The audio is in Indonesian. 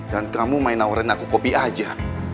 dan kamu main nawarin aku kopi aja